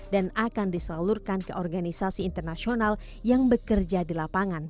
dan akan diselalurkan ke organisasi internasional yang bekerja di lapangan